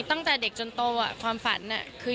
ตั้งแต่เด็กจนโตความฝันคือ